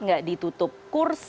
tidak ditutup kursus